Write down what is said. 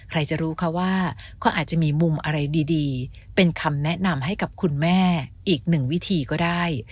ใครจะรู้ค่ะว่าเขาอาจจะมีมุมอะไรดีเป็นคำแนะนำให้กับคุณแม่อีกหนึ่งวิธีก็ได้